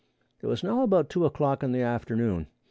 It was now about two o'clock in the afternoon.